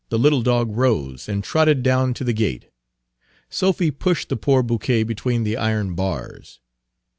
The little dog rose, and trotted down to the gate. Sophy pushed the poor bouquet between the iron bars.